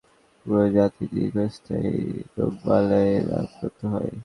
দেশ এমনভাবে চালাবেন না, যাতে পুরো জাতি দীর্ঘস্থায়ী রোগবালাইেয় আক্রান্ত হয়।